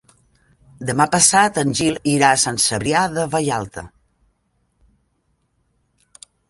Demà passat en Gil irà a Sant Cebrià de Vallalta.